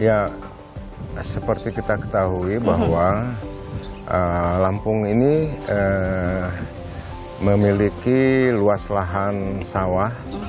ya seperti kita ketahui bahwa lampung ini memiliki luas lahan sawah